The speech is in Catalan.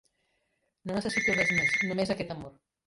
No necessito res més, només aquest amor.